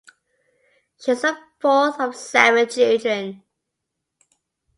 She is the fourth of seven children.